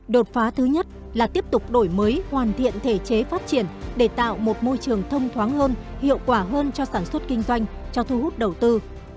đột phá thứ nhất là tiếp tục đổi mới hoàn thiện thể chế phát triển để tạo một môi trường thông thoáng hơn hiệu quả hơn cho sản xuất kinh doanh cho thu hút đầu tư